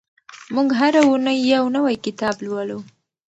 موږ هره اونۍ یو نوی کتاب لولو.